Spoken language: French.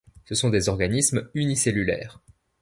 Ce sont des organismes unicellulaires.